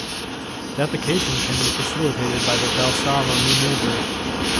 Defecation can be facilitated by the Valsalva maneuver.